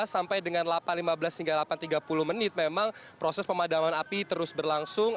lima sampai dengan delapan lima belas hingga delapan tiga puluh menit memang proses pemadaman api terus berlangsung